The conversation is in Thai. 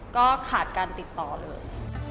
ก็ขาดการติดต่อเลย